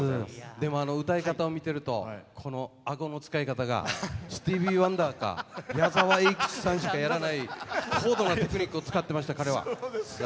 でも、歌い方を見てるとあごの使い方がスティービー・ワンダーか矢沢永吉さんしかできない高度なテクニックを使ってました、彼は。